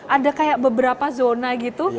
ada kayak beberapa zona gitu